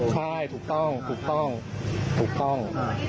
ใช่ถูกต้องถูกต้องถูกต้อง